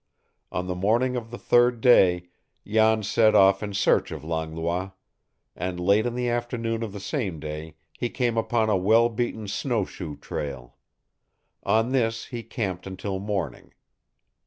On the morning of the third day, Jan set off in search of Langlois; and late in the afternoon of the same day he came upon a well beaten snow shoe trail. On this he camped until morning.